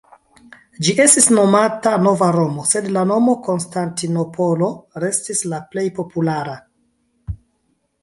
Ĝi estis nomata "Nova Romo", sed la nomo Konstantinopolo restis la plej populara.